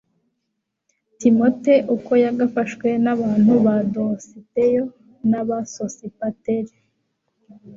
timote uko yagafashwe n'abantu ba dositeyo n'aba sosipateri